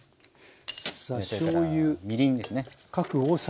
それからみりんですね。